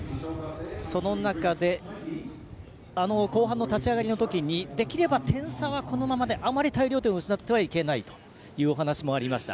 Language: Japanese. その中で後半の立ち上がりのときできれば点差はこのままであまり大量点を失ってはいけないというお話もありました。